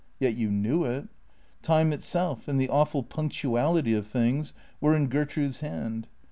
Yet you knew it. Time itself and the awful punctuality of things were in Gertrude's hand.